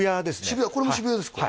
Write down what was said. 渋谷これも渋谷ですか